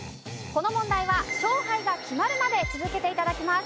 この問題は勝敗が決まるまで続けて頂きます。